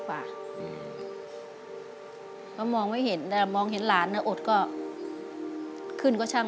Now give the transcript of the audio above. มองไม่เห็นแต่มองเห็นหลานอดก็ขึ้นก็ช่าง